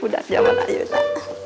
budaknya malah yudha